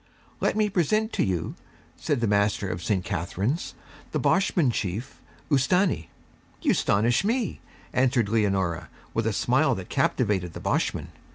'Let me present to you,' said the Master of St. Catherine's, 'the Boshman chief, Ustâni!' 'You 'stonish me!' answered Leonora, with a smile that captivated the Boshman.